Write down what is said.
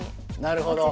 なるほど。